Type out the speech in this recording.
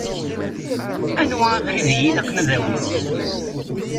Anwa abrid i ilaq ad awiɣ?